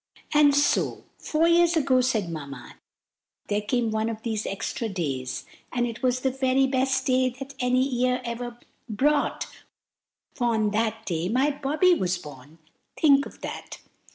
"And so four years ago," said Mamma, "there came one of these extra days, and it was the very best day that any year ever brought, for on that day my Bobby was born! Think of that!"